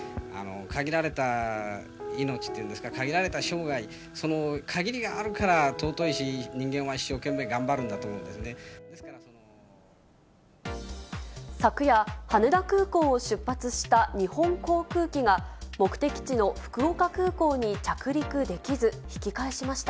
限られた命というんですか、限られた生涯、その限りがあるから尊いし、昨夜、羽田空港を出発した日本航空機が、目的地の福岡空港に着陸できず、引き返しました。